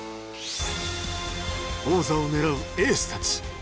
王座を狙うエースたち。